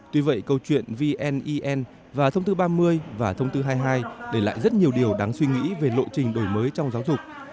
tuy vậy câu chuyện vne và thông tư ba mươi và thông tư hai mươi hai để lại rất nhiều điều đáng suy nghĩ về lộ trình đổi mới trong giáo dục